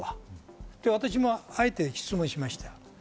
私はあえて質問しました。